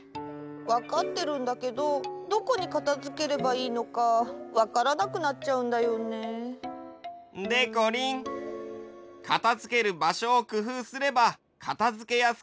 わかってるんだけどどこにかたづければいいのかわからなくなっちゃうんだよね。でこりんかたづけるばしょをくふうすればかたづけやすくなるよ。